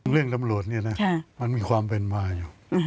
เรื่องตำรวจนี่มันมีความเป็นมาอยู่